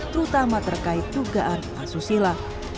terutama terkait dugaan asusila